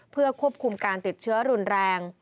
เพื่อควบคุมการติดเชื้อรุนแรง